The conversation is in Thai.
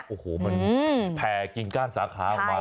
โอ้โหมันแผ่กิ่งก้านสาขาออกมา